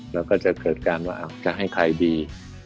แล้วก็จะเกิดการว่าจะให้ใครดี